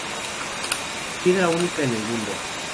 Piedra única en el mundo.